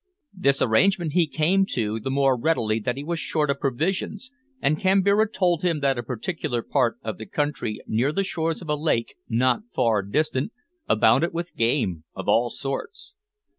This arrangement he came to the more readily that he was short of provisions, and Kambira told him that a particular part of the country near the shores of a lake not far distant abounded with game of all sorts.